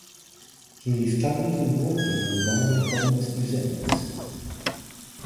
He is currently working on Marvel Comics Presents.